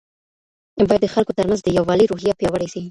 باید د خلګو ترمنځ د یووالي روحیه پیاوړې سي.